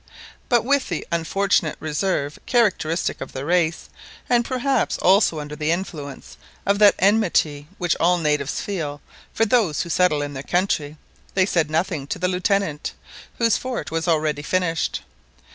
But with the unfortunate reserve characteristic of their race, and perhaps also under the influence of that enmity which all natives feel for those who settle in their country, they said nothing to the Lieutenant, whose fort was already finished.